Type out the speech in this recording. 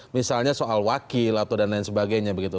misalnya soal wakil atau dan lain sebagainya begitu